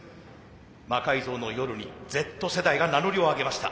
「魔改造の夜」にＺ世代が名乗りをあげました。